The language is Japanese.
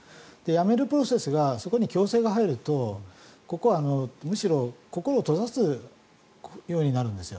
やめるプロセスがそこに強制が入ると心を閉ざすようになるんです。